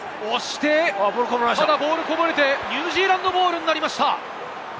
ボールがこぼれてニュージーランドボールになりました。